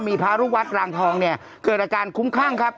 มีพระรุกวัดรางทองเกิดอาการคุ้มข้างครับ